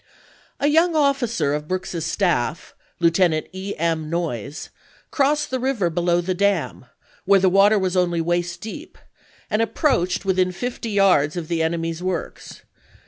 A young officer of Brooks's staff. Lieutenant E. M. Noyes, crossed the river below the dam, where the water was only waist deep, and approached within fifty yards of the enemy's works.